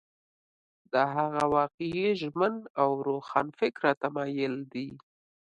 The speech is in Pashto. دا هغه واقعي ژمن او روښانفکره تمایل دی.